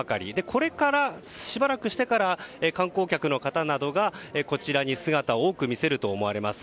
これからしばらくしてから観光客の方などがこちらに姿を多く見せるかと思います。